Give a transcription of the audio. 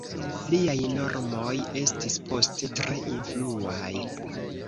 Liaj normoj estis poste tre influaj.